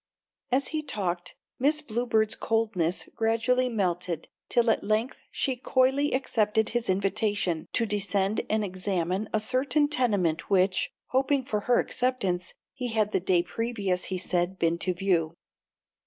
As he talked Miss Bluebird's coldness gradually melted till at length she coyly accepted his invitation to descend and examine a certain tenement which, hoping for her acceptance, he had the day previous, he said, been to view.